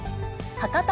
博多